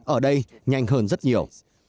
ở đây nhanh hơn rất nhiều